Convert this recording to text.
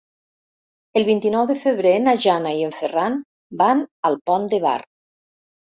El vint-i-nou de febrer na Jana i en Ferran van al Pont de Bar.